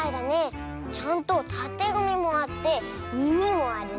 ちゃんとたてがみもあってみみもあるね。